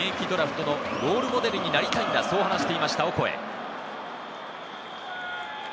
自分が活躍して現役ドラフトのロールモデルになりたいんだと話していたオコエ。